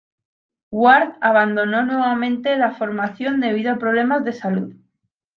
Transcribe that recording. Ward abandonó nuevamente la formación debido a problemas de salud.